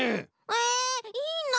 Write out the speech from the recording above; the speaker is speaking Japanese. えいいな！